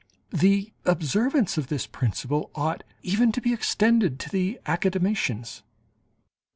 The observance of this principle ought even to be extended to the academicians.